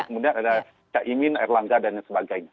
kemudian ada cak imin erlangga dan sebagainya